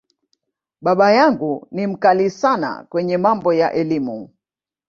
Baba yangu ni ‘mkali’ sana kwenye mambo ya Elimu.